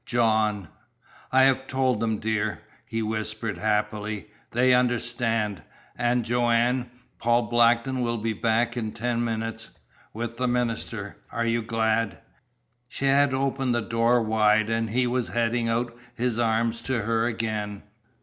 "John " "I have told them, dear," he whispered happily. "They understand. And, Joanne, Paul Blackton will be back in ten minutes with the minister. Are you glad?" She had opened the door wide, and he was heading out his arms to her again.